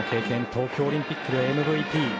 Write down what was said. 東京オリンピックではＭＶＰ。